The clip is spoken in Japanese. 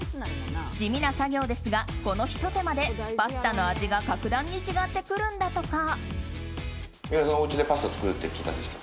地味な作業ですがこのひと手間でパスタの味が格段に違ってくるんだとか。